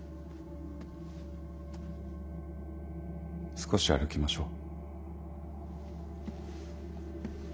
少し歩きましょう。